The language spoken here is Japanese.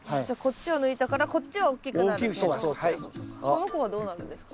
この子はどうなるんですか？